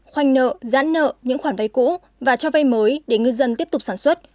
khoanh nợ giãn nợ những khoản vay cũ và cho vay mới để ngư dân tiếp tục sản xuất